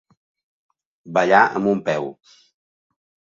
Ballar amb un peu.